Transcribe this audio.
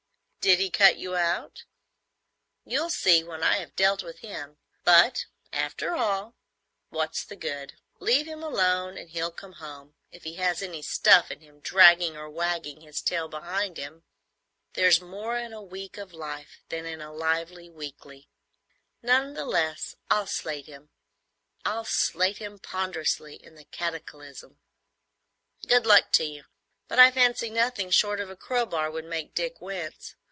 "Did he cut you out?" "You'll see when I have dealt with him. But, after all, what's the good? Leave him alone and he'll come home, if he has any stuff in him, dragging or wagging his tail behind him. There's more in a week of life than in a lively weekly. None the less I'll slate him. I'll slate him ponderously in the Cataclysm." "Good luck to you; but I fancy nothing short of a crowbar would make Dick wince.